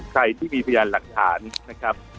ใครที่มีพยานหลักฐานนะครับ